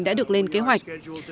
sẽ được lên kế hoạch